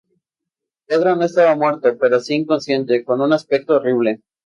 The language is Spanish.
Pedro no estaba muerto pero si inconsciente, con un aspecto horrible.